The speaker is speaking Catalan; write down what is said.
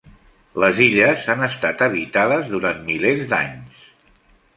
Les illes han estat habitades durant milers d'anys.